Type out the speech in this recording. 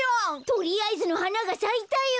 とりあえずのはながさいたよ！